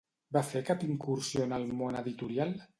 Va fer cap incursió en el món editorial?